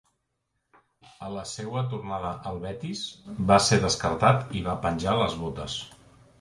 A la seua tornada al Betis, va ser descartat i va penjar les botes.